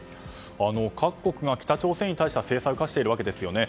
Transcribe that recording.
各国が北朝鮮に対しては制裁を科しているわけですよね。